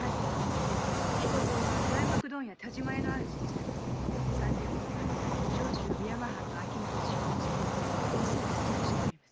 彦蔵は材木問屋・田島屋の主でしたが三年ほど前上州三山藩の商いに失敗して店をつぶしております。